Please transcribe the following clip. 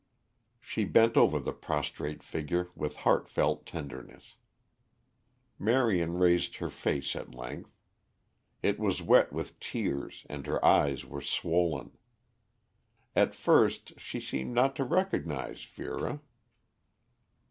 She bent over the prostrate figure with heartfelt tenderness. Marion raised her face at length. It was wet with tears and her eyes were swollen. At first she seemed not to recognize Vera.